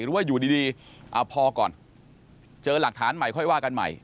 หรือว่าอยู่ดีเอาพอก่อนเจอหลักฐานใหม่ค่อยว่ากันใหม่